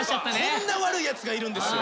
こんな悪いやつがいるんですよ。